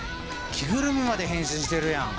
着ぐるみまで変身してるやん。